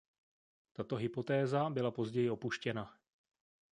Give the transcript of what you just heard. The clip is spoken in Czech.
Tato hypotéza byla později opuštěna.